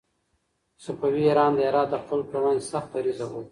صفوي ایران د هرات د خلکو پر وړاندې سخت دريځ درلود.